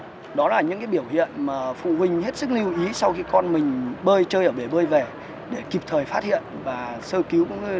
các biểu hiện đó là những biểu hiện mà phụ huynh hết sức lưu ý sau khi con mình chơi ở bể bơi về